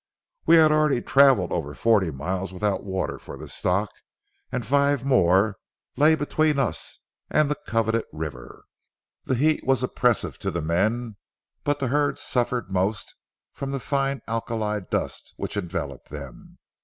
We had already traveled over forty miles without water for the stock, and five more lay between us and the coveted river. "The heat was oppressive to the men, but the herd suffered most from the fine alkali dust which enveloped them.